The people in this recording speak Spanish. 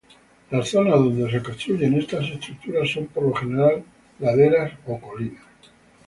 Las zonas donde se construyen estas estructuras son por lo general laderas o colinas.